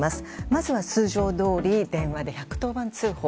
まずは通常どおり電話で１１０番通報。